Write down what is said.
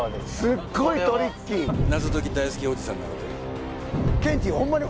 すっごいトリッキー謎解き大好きおじさんなのでケンティホンマに？